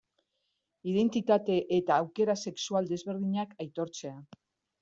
Identitate eta aukera sexual desberdinak aitortzea.